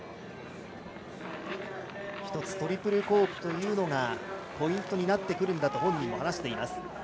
トリプルコークというのがポイントになってくるんだと本人も話しています。